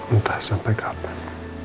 entah sampai kapan